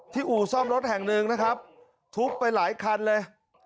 อู่ซ่อมรถแห่งหนึ่งนะครับทุบไปหลายคันเลย